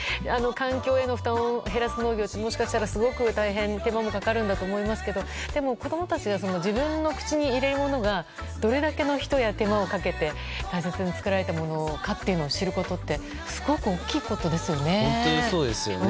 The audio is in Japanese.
環境への負担を減らす農業ってもしかしたらすごく大変で手間もかかるんだと思いますがでも、子供たちが自分の口に入れるものがどれだけの人や手間をかけて大切に作られたものかを知ることってすごく大きいことですよね。